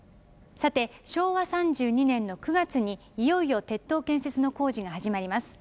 さて昭和３２年の９月にいよいよ鉄塔建設の工事が始まります。